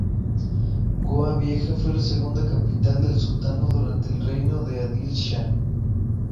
Goa Vieja fue la segunda capital del Sultanato durante el reinado de Adil Shah.